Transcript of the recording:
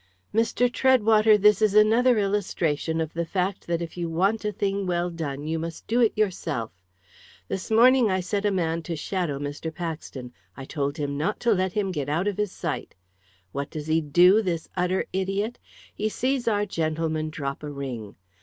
"Mr. Treadwater, this is another illustration of the fact that if you want a thing well done you must do it yourself. This morning I set a man to shadow Mr. Paxton I told him not to let him get out of his sight. What does he do, this utter idiot? He sees our gentleman drop a ring.